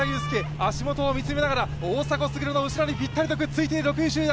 足元を見つめながら、大迫傑の後ろをぴったりとついている、６位集団。